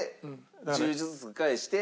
１０ずつ返して。